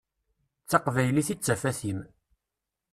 D taqbaylit i d tafat-im.